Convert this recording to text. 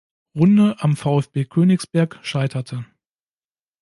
Runde am VfB Königsberg scheiterte.